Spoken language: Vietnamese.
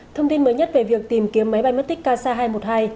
thông tin mới nhất về việc tìm kiếm máy bay mất tích kasa hai trăm một mươi hai